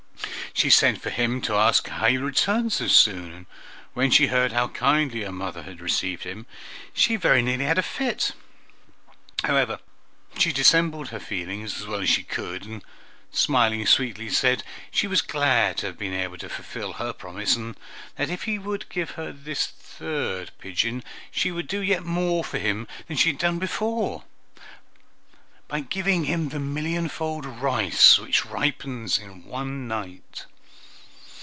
She sent for him to ask how he had returned so soon, and when she heard how kindly her mother had received him, she very nearly had a fit. However, she dissembled her feelings as well as she could, and, smiling sweetly, said she was glad to have been able to fulfil her promise, and that if he would give her this third pigeon, she would do yet more for him than she had done before, by giving him the millionfold rice, which ripens in one night.